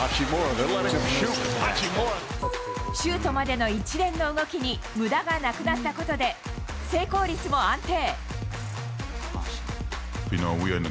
シュートまでの一連の動きにむだがなくなったことで、成功率も安定。